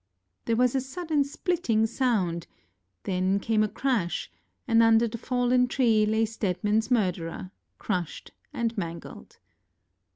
There was a sudden splitting sound, then came a crash, and under the fallen tree lay StedmanŌĆÖs murderer, crushed and mangled.